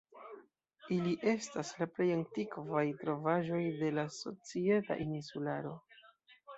Ili estas la plej antikvaj trovaĵoj de la Societa Insularo.